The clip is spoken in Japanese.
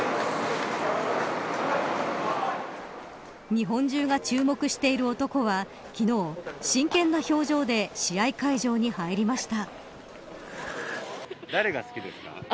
日本中が注目している男は昨日真剣な表情で試合会場に入りました。